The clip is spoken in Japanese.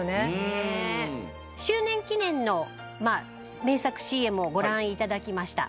周年記念の名作ＣＭをご覧いただきました。